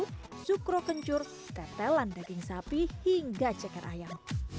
bisa dipakai dengan daging sapi cukro kencur tertelan daging sapi hingga ceker ayam